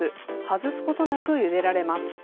外すことなくゆでられます。